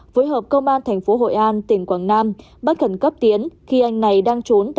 phối hợp công an thành phố hội an tỉnh quảng nam bắt khẩn cấp tiến khi anh này đang trốn